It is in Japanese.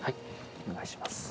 お願いします。